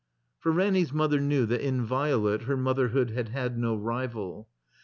For Ranny's mother knew that in Violet her motherhood had had no rival.